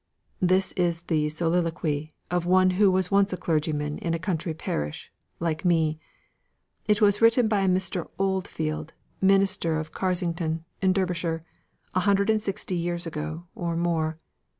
"This is the soliloquy of one who was once a clergyman in a country parish, like me; it was written by Mr. Oldfield, minister of Carsington, in Derbyshire, a hundred and sixty years ago, or more.